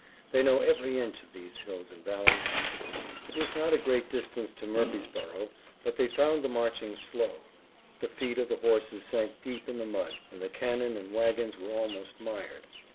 "They know every inch of these hills and valleys." It was not a great distance to Murfreesborough, but they found the marching slow. The feet of the horses sank deep in the mud and the cannon and wagons were almost mired.